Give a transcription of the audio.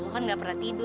lo kan gak pernah tidur